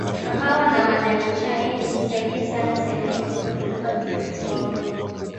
kahawa na majani chai vilisaidia sana sehemu hizo kuinuka kiuchumi